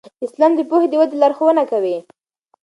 اسلام د پوهې د ودې لارښوونه کوي.